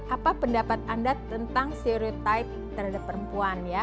apa pendapat anda tentang seriotai terhadap perempuan